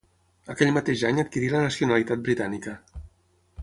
Aquell mateix any adquirí la nacionalitat britànica.